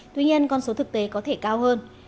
tuy nhiên con số thực tế có thể cao hơn